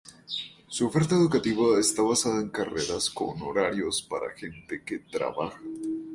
Su oferta educativa está basada en carreras con horarios para gente que trabaja.